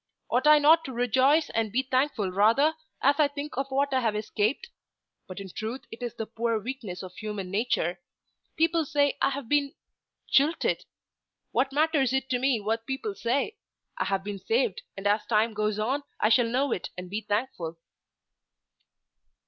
Ought I not to rejoice and be thankful rather, as I think of what I have escaped? But in truth it is the poor weakness of human nature. People say that I have been jilted. What matters it to me what people say? I have been saved, and as time goes on I shall know it and be thankful."